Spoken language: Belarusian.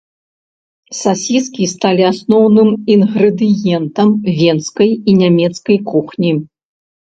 Сасіскі сталі асноўным інгрэдыентам венскай і нямецкай кухні.